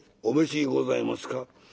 「お召しにございますか？」。